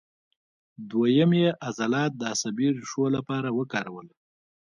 دوهیم یې عضلات د عصبي ریښو لپاره وکارول.